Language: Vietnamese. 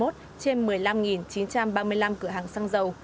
trên một mươi năm chín trăm ba mươi năm cửa hàng xăng dầu